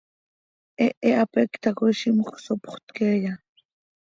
¿Hehe hapéc tacoi zímjöc sopxöt queeya?